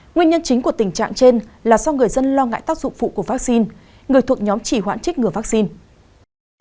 nguyên nhân chính của tình trạng trên là do người dân lo ngại tác dụng phụ của vaccine người thuộc nhóm chỉ hoãn trích ngừa vaccine